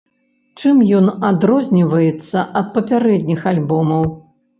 Чым ён адрозніваецца ад папярэдніх альбомаў?